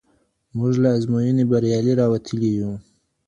موږ له ازموینې بریالي راوتلي یو.